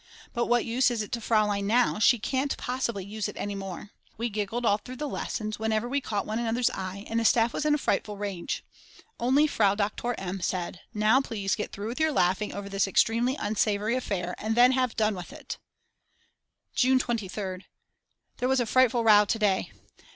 But what use is it to Frl. now; she can't possibly use it any more. We giggled all through lessons whenever we caught one another's eye and the staff was in a frightful rage. Only Frau Doktor M. said: "Now please get through with your laughing over this extremely unsavoury affair, and then have done with it." June 23rd. There was a frightful row to day.